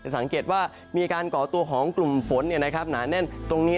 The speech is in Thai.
สังเกตว่ามีการก่อตัวของกลุ่มฝนหนาแน่นตรงนี้